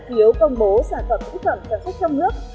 khiếu công bố sản phẩm nữ phẩm sản xuất trong nước